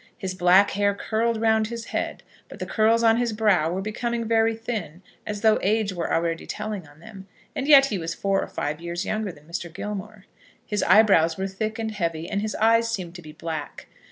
His black hair curled round his head, but the curls on his brow were becoming very thin, as though age were already telling on them, and yet he was four or five years younger than Mr. Gilmore. His eyebrows were thick and heavy, and his eyes seemed to be black.